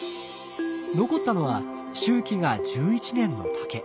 残ったのは周期が１１年の竹。